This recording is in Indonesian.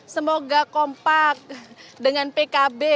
semoga kompak dengan pkb